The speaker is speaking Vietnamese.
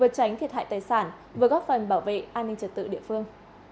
vượt tránh thiệt hại tài sản vượt góp phần bảo vệ an ninh trật tự địa phương